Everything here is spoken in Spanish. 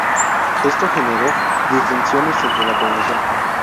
Esto generó disensiones entre la población.